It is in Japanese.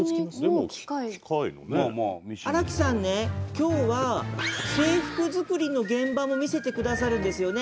今日は制服作りの現場も見せてくださるんですよね？